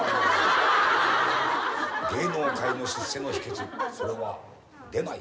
芸能界の出世の秘訣それは出ない。